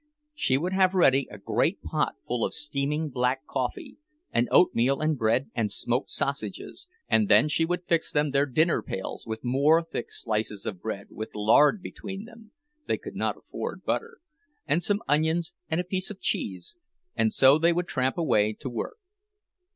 She would have ready a great pot full of steaming black coffee, and oatmeal and bread and smoked sausages; and then she would fix them their dinner pails with more thick slices of bread with lard between them—they could not afford butter—and some onions and a piece of cheese, and so they would tramp away to work.